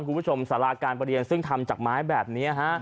คุณผู้ชมสาราการประเรียนซึ่งทำจากไม้แบบนี้